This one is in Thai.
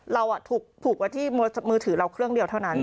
เราถูกผูกไว้ที่มือถือเราเครื่องเดียวเท่านั้น